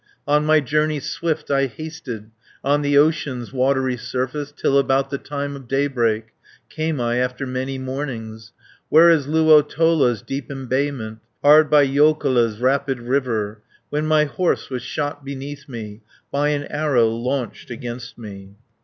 "On my journey swift I hasted, On the ocean's watery surface, Till about the time of daybreak, Came I, after many mornings, Where is Luotola's deep embayment, Hard by Joukola's rapid river, When my horse was shot beneath me, By an arrow launched against me.